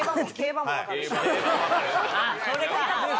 それか！